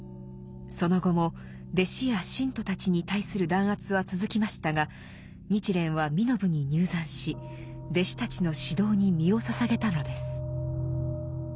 その後も弟子や信徒たちに対する弾圧は続きましたが日蓮は身延に入山し弟子たちの指導に身を捧げたのです。